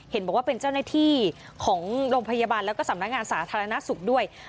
เห็นบอกว่าเป็นเจ้าหน้าที่ของโรงพยาบาลแล้วก็สำนักงานสาธารณสุขด้วย